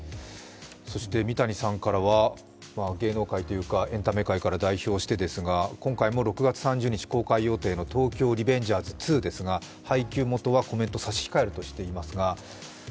三谷さんからは芸能界というかエンタメ界を代表して今回も６月３０日公開予定の「東京リベンジャーズ２」ですが配給元はコメントを差し控えるとしていますが。